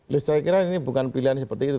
ya saya kira ini bukan pilihan seperti itu